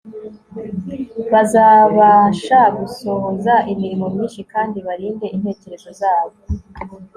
bazabasha gusohoza imirimo myinshi kandi barinde intekerezo zabo